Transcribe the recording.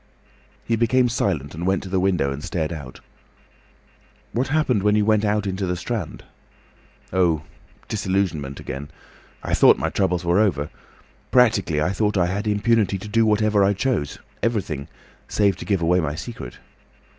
He became silent and went to the window and stared out. "What happened when you went out into the Strand?" "Oh!—disillusionment again. I thought my troubles were over. Practically I thought I had impunity to do whatever I chose, everything—save to give away my secret.